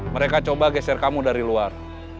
mereka coba geser kamu dari luar